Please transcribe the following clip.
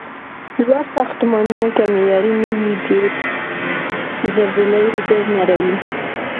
لوړ ساختمونه که معیاري نه وي جوړ، زلزله یې زر نړوي.